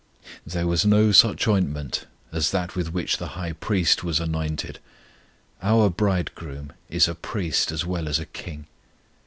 There was no such ointment as that with which the High Priest was anointed: our Bridegroom is a Priest as well as a King.